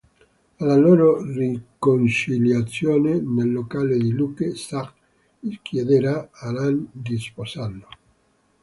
Alla loro riconciliazione, nel locale di Luke, Zach chiederà a Lane di sposarlo.